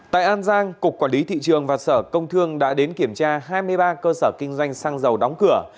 tại an giang cục quản lý thị trường và sở công thương đã đến kiểm tra hai mươi ba cơ sở kinh doanh xăng dầu đóng cửa